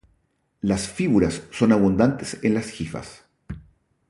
Las fíbulas son abundantes en las hifas.